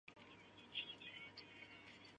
副首相也不能自动继任首相和党领袖的位置。